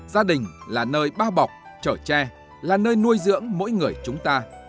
gia đình là nơi bao bọc chở tre là nơi nuôi dưỡng mỗi người chúng ta